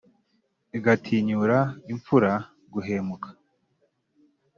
Igatinyura imfura guhemuka.